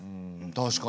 確かに。